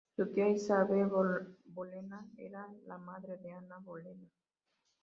Su tía, Isabel Bolena, era la madre de Ana Bolena.